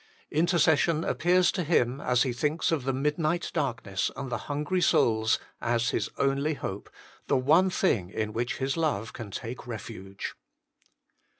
Intercession appears to him, as he thinks of the midnight darkness and the hungry souls, as his only hope, the one thing in which his love can take refuge.